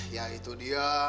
ya itu dia